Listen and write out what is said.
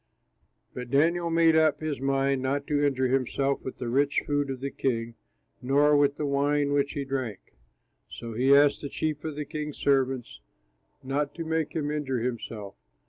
But Daniel made up his mind not to injure himself with the rich food of the king nor with the wine which he drank. So he asked the chief of the king's servants not to make him injure himself.